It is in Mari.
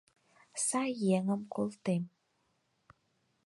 Сай еҥым колтем.